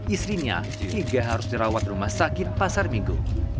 istrinya hingga harus dirawat rumah sakit pasar minggu